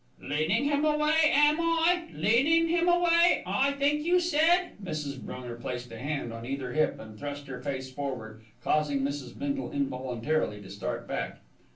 "Leadin' him away, am I? leadin' him away, I think you said?" Mrs. Brunger placed a hand on either hip and thrust her face forward, causing Mrs. Bindle involuntarily to start back.